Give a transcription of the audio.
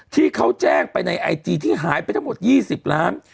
ที่เขาแจ้งไปในไอจีที่หายไปทั้งหมด๒๐ล้าน